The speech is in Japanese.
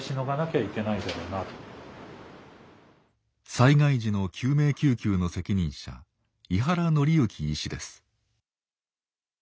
災害時の救命救急の責任者井原則之医師です。